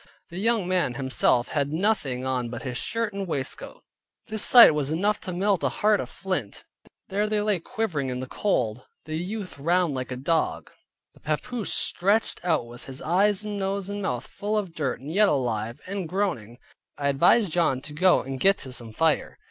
The young man himself had nothing on but his shirt and waistcoat. This sight was enough to melt a heart of flint. There they lay quivering in the cold, the youth round like a dog, the papoose stretched out with his eyes and nose and mouth full of dirt, and yet alive, and groaning. I advised John to go and get to some fire.